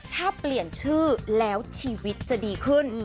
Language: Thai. ถ้าเปลี่ยนชื่อแล้วชีวิตจะดีขึ้น